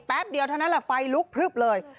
เดียวเท่านั้นแหละไฟลุกพลึบเลย